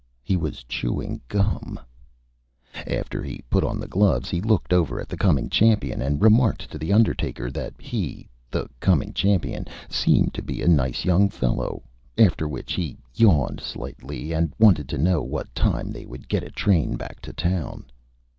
He was chewing Gum. [Illustration: AND SEE!] After he put on the Gloves he looked over at the Coming Champion and remarked to the Undertaker that he (the Coming Champion) seemed to be a Nice Young Fellow. After which he Yawned slightly, and wanted to know what Time they would get a Train back to Town.